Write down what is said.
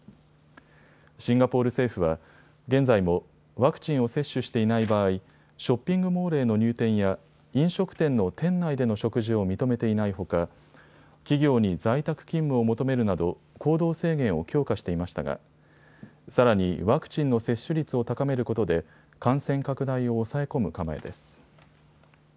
シンガポール政府は現在もワクチンを接種していない場合、ショッピングモールへの入店や飲食店の店内での食事を認めていないほか企業に在宅勤務を求めるなど行動制限を強化していましたがさらにワクチンの接種率を高めることで感染拡大を抑え込む構えです。